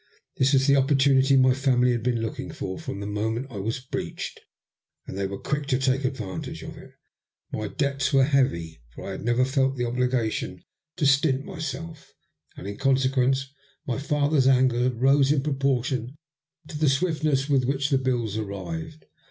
This was the oppor tunity my family had been looking for from the moment I was breeched, and they were quick to take advantage of it. My debts were heavy, for I had 4 THE LUST OF HATE. never felt the obligation to stint myself, and in conse quence my father's anger rose in proportion to the swiftness with which the bills arrived.